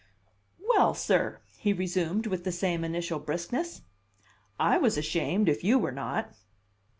"Well, sir," he resumed with the same initial briskness, "I was ashamed if you were not."